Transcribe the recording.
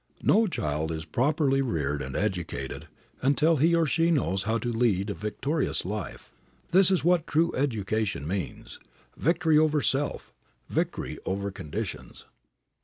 No child is properly reared and educated until he or she knows how to lead a victorious life. This is what true education means victory over self, victory over conditions.